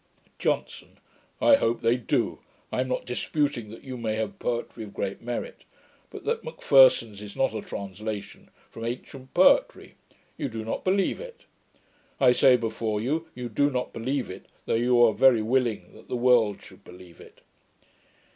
JOHNSON. 'I hope they do. I am not disputing that you may have poetry of great merit; but that M'Pherson's is not a translation from ancient poetry. You do not believe it. I say before you, you do not believe it, though you are very willing that the world should believe it.'